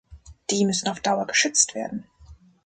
Die müssen auf Dauer geschützt werden!